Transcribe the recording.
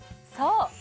そう！